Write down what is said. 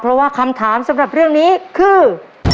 เพราะว่าคำถามสำหรับเรื่องนี้คือ